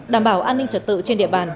đảm bảo an ninh trật tự trên tỉnh